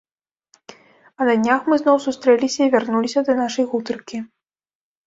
А на днях мы зноў сустрэліся і вярнуліся да нашай гутаркі.